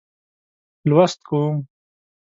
لوست کوم.